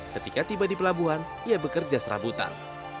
ketika tiba di pelabuhan ia bekerja serabutan